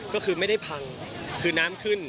ก็คือไม่ได้พังคือน้ำขึ้น